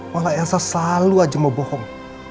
malah elsa selalu saja membohong